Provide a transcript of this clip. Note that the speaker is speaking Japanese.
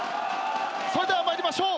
それでは参りましょう。